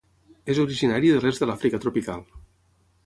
És originari de l'est de l'Àfrica tropical.